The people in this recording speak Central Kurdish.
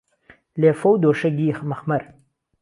لێفه و دۆشهگی مهخمەر